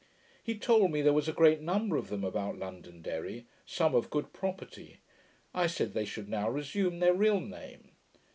He told me, there was a great number of them about Londonderry; some of good property. I said, they should now resume their real name.